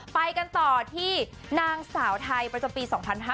ไปกันต่อที่นางสาวไทยประจำปี๒๕๕๙